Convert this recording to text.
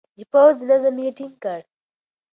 د پوځ نظم يې ټينګ کړ.